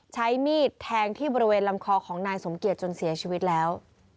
ใช้มีดแทงที่บริเวณลำคอของนายสมเกียจจนเสียชีวิตแล้ว